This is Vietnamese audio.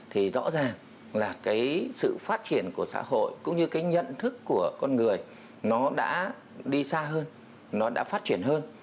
thì rõ ràng là cái sự phát triển của xã hội cũng như cái nhận thức của con người nó đã đi xa hơn nó đã phát triển hơn